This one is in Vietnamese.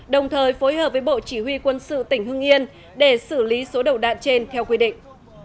đồng thời phối hợp với bộ chỉ huy quân sự tỉnh hưng yên để xử lý số đầu đạn trên theo quy định